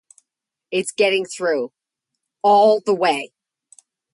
They later formed Marxisterna as a local political party.